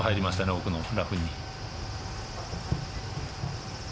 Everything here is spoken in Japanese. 奥のラフに。